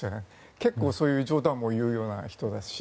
結構、そういう冗談も言うような人ですし。